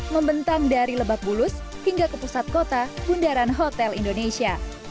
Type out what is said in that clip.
membentang dari lebak bulus hingga ke pusat kota bundaran hotel indonesia